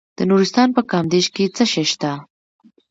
د نورستان په کامدیش کې څه شی شته؟